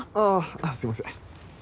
あっすいません。